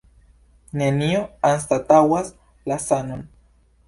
Nenio anstataŭas la sanon.